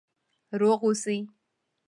روغ اوسئ؟